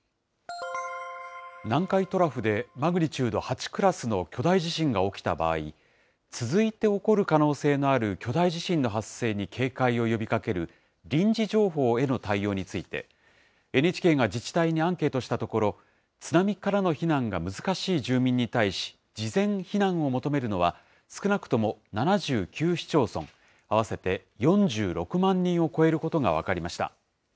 南海トラフでマグニチュード８クラスの巨大地震が起きた場合、続いて起こる可能性のある巨大地震の発生に警戒を呼びかける、臨時情報への対応について、ＮＨＫが自治体にアンケートしたところ、津波からの避難が難しい住民に対し、事前避難を求めるのは少なくとも７９市町村、合わせて４６万人を超えることが分かりました。